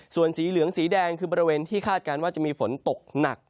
ส่วนสีเหลืองสีแดงคือบริเวณที่คาดการณ์ว่าจะมีฝนตกหนัก